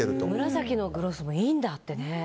紫のグロスもいいんだってね。